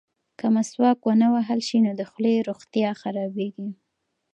که مسواک ونه وهل شي نو د خولې روغتیا خرابیږي.